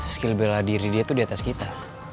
skill bela diri dia itu di atas kita